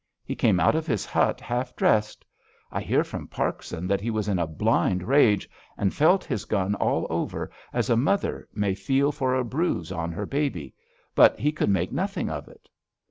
He came out of his hut half dressed. I hear from Parkson that he was in a blind rage, and felt his gun all over, as a mother may feel for a bruise on her baby; but he could make nothing of it."